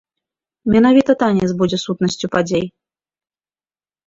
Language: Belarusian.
Менавіта танец будзе сутнасцю падзей.